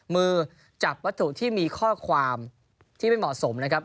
มือจับวัตถุที่มีข้อความที่ไม่เหมาะสมนะครับ